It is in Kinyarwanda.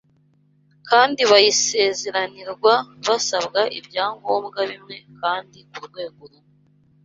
kandi bayisezeranirwa basabwa ibyangombwa bimwe kandi ku rwego rumwe.